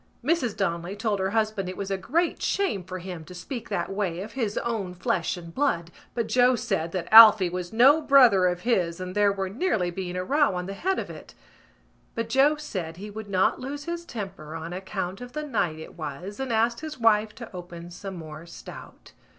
Mrs Donnelly told her husband it was a great shame for him to speak that way of his own flesh and blood but Joe said that Alphy was no brother of his and there was nearly being a row on the head of it. But Joe said he would not lose his temper on account of the night it was and asked his wife to open some more stout.